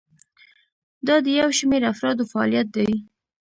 دا د یو شمیر افرادو فعالیت دی.